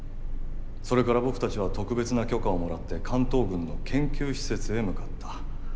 それから僕たちは特別な許可をもらって関東軍の研究施設へ向かった。